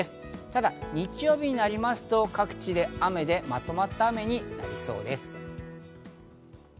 ただ日曜日になりますと各地で雨で、まとまった雨になりそうです。